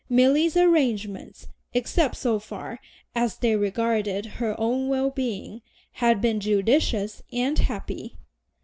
Milly's arrangements, except so far as they regarded her own well being, had been judicious and happy.